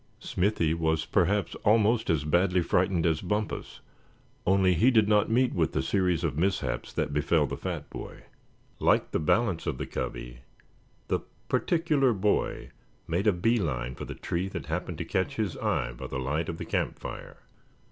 Smithy was perhaps almost as badly frightened as Bumpus, only he did not meet with the series of mishaps that befell the fat boy. Like the balance of the covey the "particular" boy made a bee line for the tree that happened to catch his eye by the light of the camp fire.